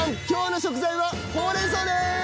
今日の食材はほうれん草です！